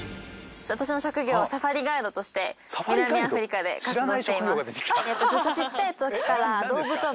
私の職業はサファリガイドとして南アフリカで活動しています。